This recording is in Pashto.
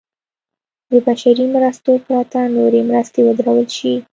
د بشري مرستو پرته نورې مرستې ودرول شي.